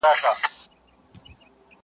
o پلار پرکور نسته، د موره حيا نه کېږي٫